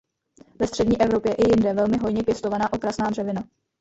Ve střední Evropě i jinde velmi hojně pěstovaná okrasná dřevina.